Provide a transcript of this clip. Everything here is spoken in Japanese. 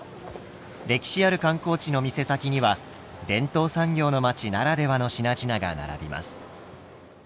歴史ある観光地の店先には伝統産業の町ならではの品々が並びます。